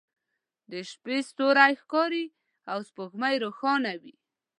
د شپې ستوری ښکاري او سپوږمۍ روښانه وي